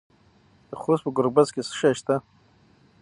د خوست په ګربز کې څه شی شته؟